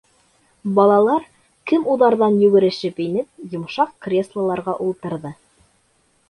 Балалар, кем уҙарҙан йүгерешеп инеп, йомшаҡ креслоларға ултырҙы.